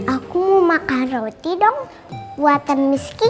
aku mau makan roti dong buatan miss kiki